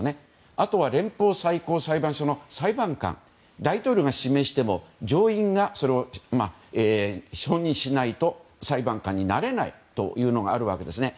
それと連邦最高裁判所の裁判官大統領が指名しても上院がそれを承認しないと裁判官になれないというのがあるわけですね。